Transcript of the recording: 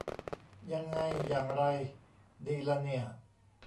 ยังไงอย่างไรดีละเนี่ย